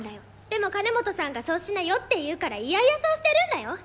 でも金本さんがそうしなよって言うから嫌々そうしてるんらよ。